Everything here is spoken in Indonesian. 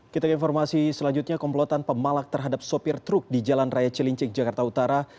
kita ke informasi selanjutnya komplotan pemalak terhadap sopir truk di jalan raya cilincing jakarta utara